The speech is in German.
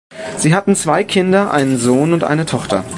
Sie hatten zwei Kinder, einen Sohn und eine Tochter.